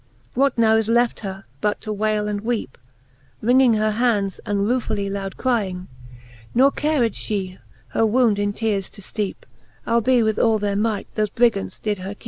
What now is left her, but to wayle and weepe, Wringing her hands, and ruefully loud crying ? Ne cared fhe her wound in teares to fteepe, Albe with all their might thofe Brigants her did keepe.